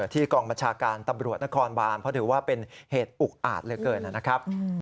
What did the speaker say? กองบัญชาการตำรวจนครบานเพราะถือว่าเป็นเหตุอุกอาจเหลือเกินนะครับ